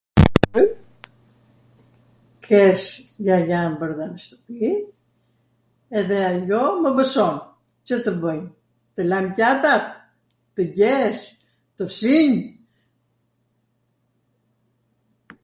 Kesh jajan brwnda nw shtwpi, edhe ajo mw mwson Cw tw bwnj, tw lajm pjatat, tw gjesh, tw fshinj?